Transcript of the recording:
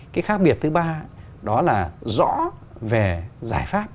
cái khác biệt thứ ba đó là rõ về giải pháp